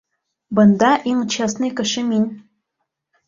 Бында иң честный кеше мин!